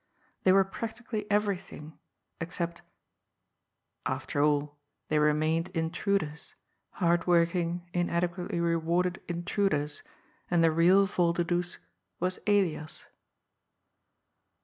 They were practically everything, ex cept After all, they remained intruders, hard work ing, inadequately rewarded intruders, and the real Voider does was Elias.